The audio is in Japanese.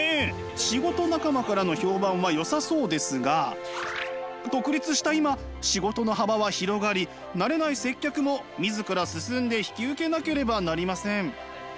仕事仲間からの評判はよさそうですが独立した今仕事の幅は広がり慣れない接客も自ら進んで引き受けなければなりません。